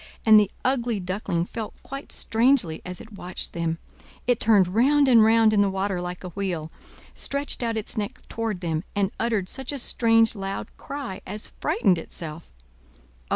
and the ugly Duckling felt quite strangely as it watched them. It turned round and round in the water like a wheel, stretched out its neck toward them, and uttered such a strange, loud cry as frightened itself.